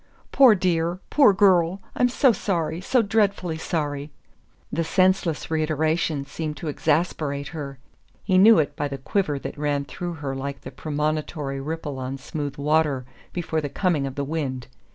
"Poor dear poor girl...I'm so sorry so dreadfully sorry!" The senseless reiteration seemed to exasperate her. He knew it by the quiver that ran through her like the premonitory ripple on smooth water before the coming of the wind.